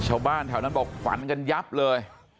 ชาวบ้านแถวนั้นบอกฝันกันยับเลย